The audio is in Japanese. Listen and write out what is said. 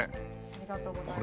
ありがとうございます。